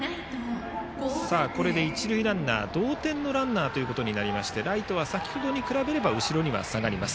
一塁ランナーは同点のランナーとなりましてライトは先ほどに比べて後ろに下がります。